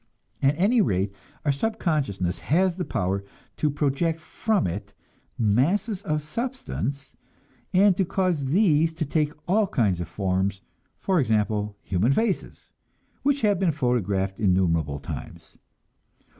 At any rate, our subconsciousness has the power to project from it masses of substance, and to cause these to take all kinds of forms, for example, human faces, which have been photographed innumerable times.